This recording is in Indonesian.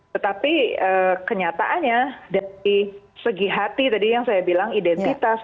tetapi kenyataannya dari segi hati tadi yang saya bilang identitas